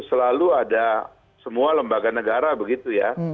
selalu ada semua lembaga negara begitu ya